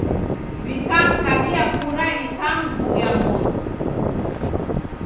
W'ikamkabia kura ikamguya moni.